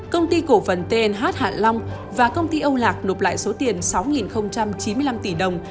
công ty cổ phần thnh hạ long và công ty âu lạc nộp lại số tiền sáu chín mươi năm tỷ đồng